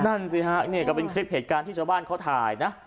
นั่นสิฮะนี่ก็เป็นคลิปเหตุการณ์ที่ชาวบ้านเขาถ่ายนะ